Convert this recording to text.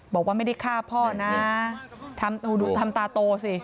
บอกว่าไม่ได้ฆ่าพ่อนะทำตาโตสิ